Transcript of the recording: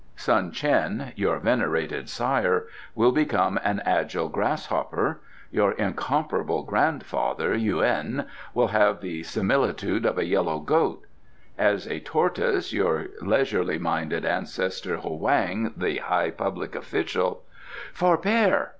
"Sun Chen, your venerated sire, will become an agile grasshopper; your incomparable grandfather, Yuen, will have the similitude of a yellow goat; as a tortoise your leisurely minded ancestor Huang, the high public official " "Forbear!"